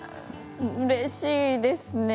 うれしいですね。